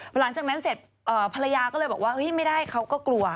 หลังจากนั้นเสร็จภรรยาก็เลยบอกว่าไม่ได้เขาก็กลัว